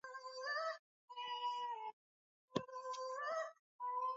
Zugu akalala chini na kumuweka Jacob juu yake upande wa mgongoni